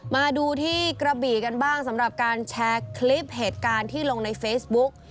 มาดูที่กระบี่กันบ้างสำหรับการแชร์คลิปเหตุการณ์ที่ลงในเฟซบุ๊ก